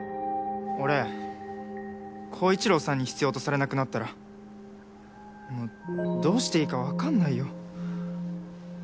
俺洸一郎さんに必要とされなくなったらもうどうしていいかわかんないよ。